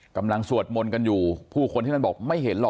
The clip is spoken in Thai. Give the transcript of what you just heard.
สวดมนต์กันอยู่ผู้คนที่นั่นบอกไม่เห็นหรอก